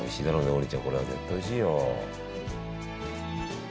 王林ちゃんこれは絶対おいしいよ。